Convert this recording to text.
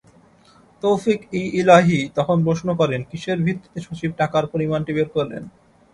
তৌফিক-ই-ইলাহী তখন প্রশ্ন করেন, কিসের ভিত্তিতে সচিব টাকার পরিমাণটি বের করলেন।